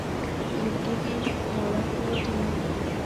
ویل کېږي ماړه هېوادونه.